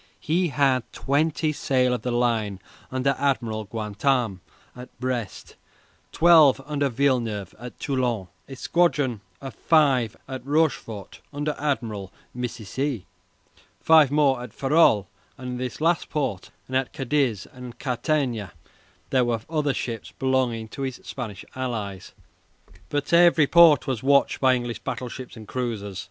He had twenty sail of the line, under Admiral Ganteaume, at Brest; twelve under Villeneuve at Toulon; a squadron of five at Rochefort under Admiral Missiessy; five more at Ferrol; and in this last port and at Cadiz and Cartagena there were other ships belonging to his Spanish allies. But every port was watched by English battleships and cruisers.